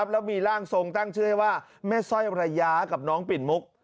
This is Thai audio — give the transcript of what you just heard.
แล้วมีร่างทรงตั้งชื่อให้ว่าแม่สร้อยระยะกับน้องปิ่นมุก